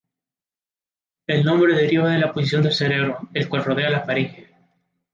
El nombre deriva de la posición del cerebro, el cual rodea la faringe.